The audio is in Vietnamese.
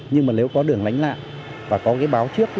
nhưng mà nếu có đường lánh lạ và có cái báo trước